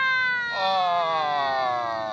ああ！